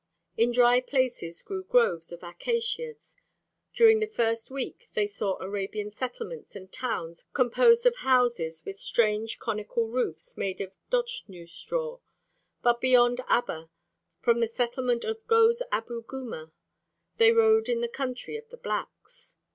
In dry places grew groves of acacias. During the first week they saw Arabian settlements and towns composed of houses with strange conical roofs made of dochnu straw, but beyond Abba, from the settlement of Gôz Abu Guma they rode in the country of the blacks.